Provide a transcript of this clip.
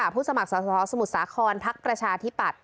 ผู้สมัครสถสมุทรสาครทักรชาธิปัตย์